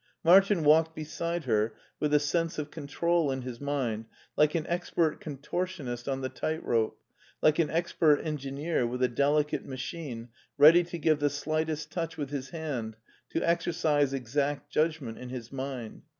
Martin walked beside her with a sense of control in his mind like an expert contortionist on the tight rope, like an expert engineer with a delicate machine ready to give the slightest touch with his hand, to exercise exact judgment in his mind.